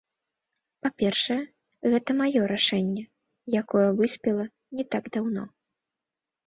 Па-першае, гэта маё рашэнне, якое выспела не так даўно.